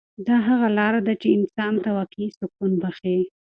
دا هغه لاره ده چې انسان ته واقعي سکون بښي.